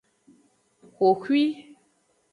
Xoxoi.